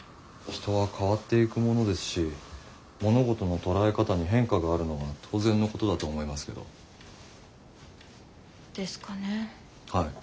人は変わっていくものですし物事の捉え方に変化があるのは当然のことだと思いますけど。ですかねぇ。